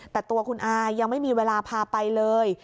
แต่ตัวคุณอายังไม่มีเวลาพาไปเลย